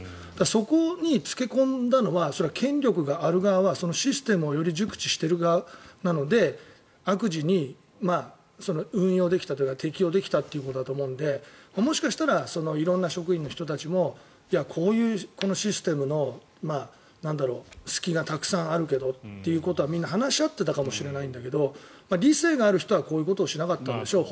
そこに付け込んだのは権力がある側はシステムをより熟知してる側なので悪事に運用できたというか適用できたということだと思うのでもしかしたら色んな職員の人たちもこういうシステムの隙がたくさんあるけどということはみんな話し合っていたかもしれないんだけど理性がある人はこういうことをしなかったんでしょう。